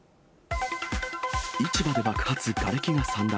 市場で爆発、がれきが散乱。